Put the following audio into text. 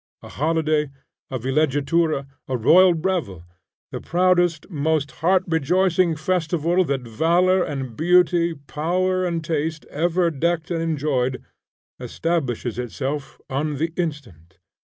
A holiday, a villeggiatura, a royal revel, the proudest, most heart rejoicing festival that valor and beauty, power and taste, ever decked and enjoyed, establishes itself on the instant.